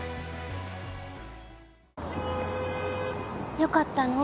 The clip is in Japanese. よかったの？